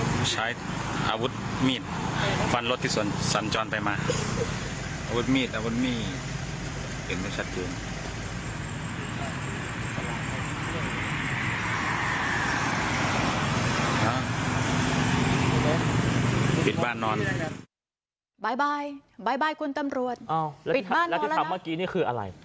บ๊วยบ๊ายบายบ๊ายบายคุณตำรวจอ้าวแล้วที่ทำเมื่อกี้นี่คืออะไร